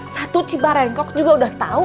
satu cipa rengkok juga udah tau